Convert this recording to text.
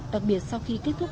đặc biệt sau khi kết thúc